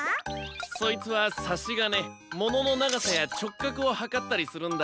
そいつはさしがねもののながさやちょっかくをはかったりするんだ。